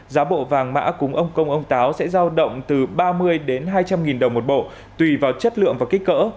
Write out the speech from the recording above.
giá bộ vàng mã cúng ông công ông táo sẽ giao động từ ba mươi đến hai trăm linh nghìn đồng một bộ tùy vào chất lượng và kích cỡ